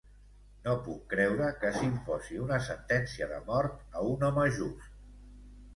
No puc creure que s'imposi una sentència de mort a un home just.